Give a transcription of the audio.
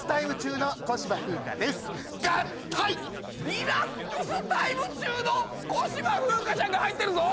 「リラックスタイム中の小芝風花ちゃん」が入ってるぞ！